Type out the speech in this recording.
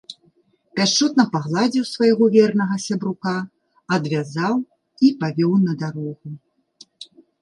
Пяшчотна пагладзіў свайго вернага сябрука, адвязаў і павёў на дарогу.